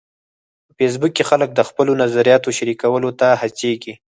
په فېسبوک کې خلک د خپلو نظریاتو شریکولو ته هڅیږي.